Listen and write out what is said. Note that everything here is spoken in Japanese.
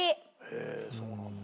へえーそうなんだ。